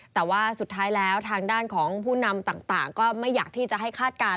แต่ว่าสุดท้ายแล้วทางด้านของผู้นำต่างก็ไม่อยากที่จะให้คาดการณ